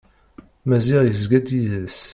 Maziɣ yezga d yid-s.